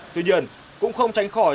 tuy nhiên cũng không tránh khỏi